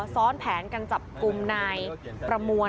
ซ้อนแผนกันจับกลุ่มนายประมวล